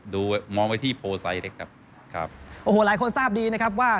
มองไว้ที่โพลไซส์เล็กครับครับโอ้โหหลายคนทราบดีนะครับว่า